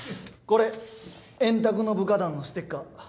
これ円卓の部下団のステッカー。